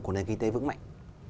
của nền kinh tế vững mạnh